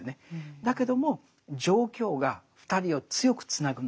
だけども状況が２人を強くつなぐんだって。